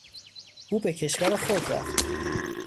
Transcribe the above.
او به کشور خود رفت.